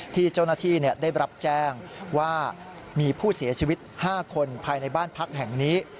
ที่เจ้าหน้าที่ได้รับแจ้งว่ามีผู้เสียชีวิต๕คนภายในบ้านพักแห่งนี้